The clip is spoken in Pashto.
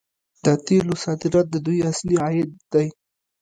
د تیلو صادرات د دوی اصلي عاید دی.